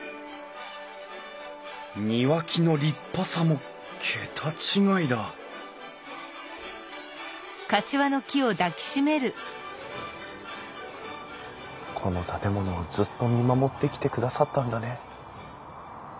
庭木の立派さも桁違いだこの建物をずっと見守ってきてくださったんだね。